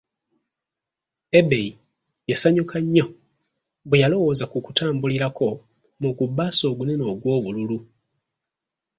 Ebei yasanyuka nnyo bwe yalowooza ku kutambulirako mu gu baasi ogunene ogw'obululu.